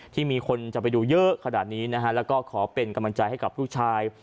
ที่มีคนจะไปดูเยอะขนาดนี้นะฮะแล้วก็ขอเป็นกำลังใจให้กับผู้ชาย